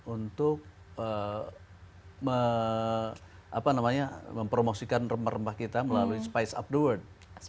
untuk mempromosikan rempah rempah kita melalui spice up the world